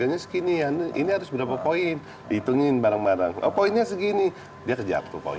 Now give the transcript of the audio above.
harga segini yarn ini harus berapa poin di hitungin barang barang ke poinnya segini dia kejatuh kau